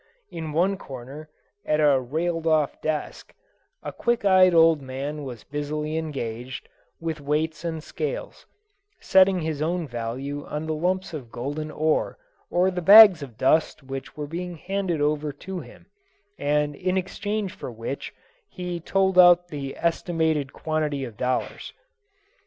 In one corner, at a railed off desk, a quick eyed old man was busily engaged, with weights and scales, setting his own value on the lumps of golden ore or the bags of dust which were being handed over to him, and in exchange for which he told out the estimated quantity of dollars.